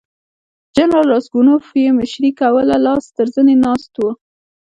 جنرال راسګونوف یې مشري کوله لاس تر زنې ناست وو.